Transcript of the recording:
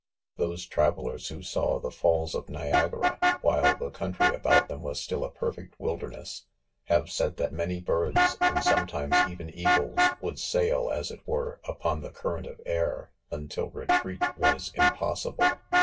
Those travellers who saw ;4lie falls of Niagara while the country about them was still a perfect wilderness, have said that many birds, and sometimes even eagles^ would sail, as it were, upon the current of air, until re treat was impossible.